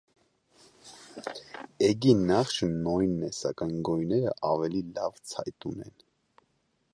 Էգին նախշը նոյնն է, սակայն գոյները աւելի լաւ ցայտուն են։